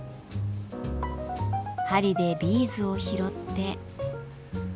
針でビーズを拾って。